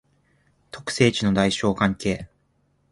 特性値の大小関係